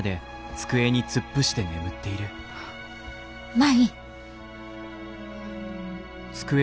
舞。